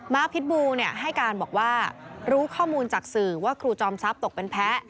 พิษบูให้การบอกว่ารู้ข้อมูลจากสื่อว่าครูจอมทรัพย์ตกเป็นแพ้